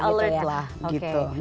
iya alert lah gitu